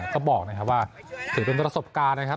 ก็บอกนะครับว่าถือเป็นประสบการณ์นะครับ